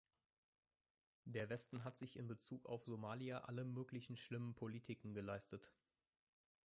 Der Westen hat sich in Bezug auf Somalia alle möglichen schlimmen Politiken geleistet.